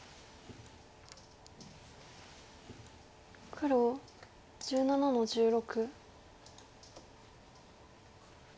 黒１７の十六。